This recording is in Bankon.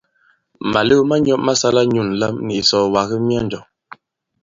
Màlew ma nyɔ̄ ma sāla inyū ǹlam nì ìsɔ̀ɔ̀wàk di myɔnjɔ̀.